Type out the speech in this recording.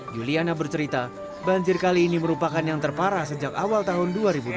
juliana bercerita banjir kali ini merupakan yang terparah sejak awal tahun dua ribu delapan belas